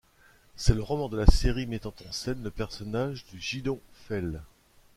C'est le roman de la série mettant en scène le personnage du Gideon Fell.